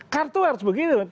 kartu harus begitu